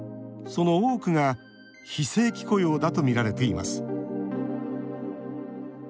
その多くが非正規雇用だとみられています。